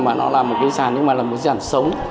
mà nó là một cái di sản nhưng mà là một di sản sống